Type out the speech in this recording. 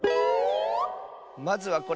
まずはこれ！